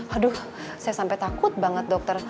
aduh saya sampai takut banget dokter